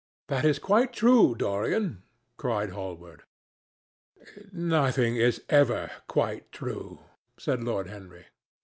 "That is quite true, Dorian," cried Hallward. "Nothing is ever quite true," said Lord Henry.